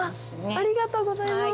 ありがとうございます！